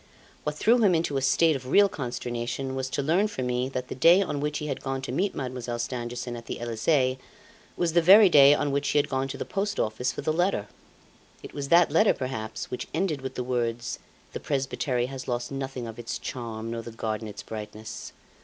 What threw him into a state of real consternation was to learn from me that the day on which he had gone to meet Mademoiselle Stangerson at the Elysee, was the very day on which she had gone to the Post Office for the letter. It was that letter, perhaps, which ended with the words: 'The presbytery has lost nothing of its charm, nor the garden its brightness.